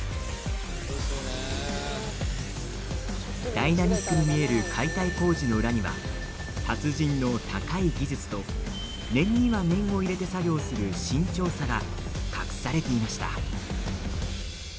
ダイナミックに見える解体工事の裏には達人の高い技術と念には念を入れて作業する慎重さが隠されていました。